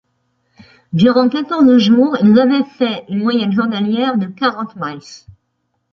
Durant quatorze jours, ils avaient fait une moyenne journalière de quarante miles !